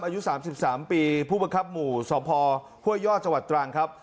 อายุ๓๓ปีผู้บังคับหมู่สพฮจตรครับ